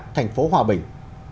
thành phố hòa bình